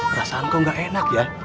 perasaan kau nggak enak ya